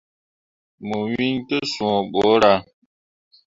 Mo wŋni te sũũ borah.